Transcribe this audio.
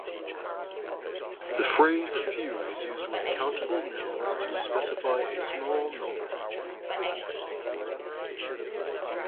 The phrase "a few" is used with countable nouns to specify a small number.